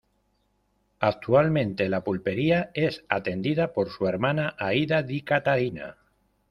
Actualmente, la pulpería es atendida por su hermana, Aida Di Catarina.